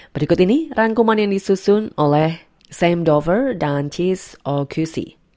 berikut ini rangkuman yang disusun oleh sam dover dan cis o cusey